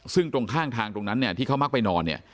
ซึ่งตรงข้างทางตรงนั้นเนี่ยที่เขามักไปนอนเนี่ย